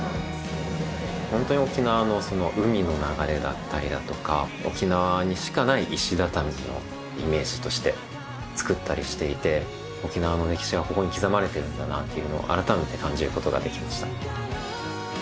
ホントに沖縄の海の流れだったりだとか沖縄にしかない石畳のイメージとして作ったりしていて沖縄の歴史はここに刻まれてるんだなっていうのをあらためて感じることができました。